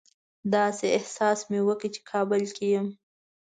داسې احساس مې وکړ چې کابل کې یم.